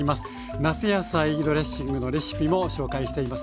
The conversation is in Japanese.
夏野菜ドレッシングのレシピも紹介しています。